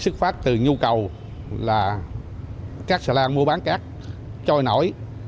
xuất phát từ nhu cầu là các xà lan mua bán cát trôi nổi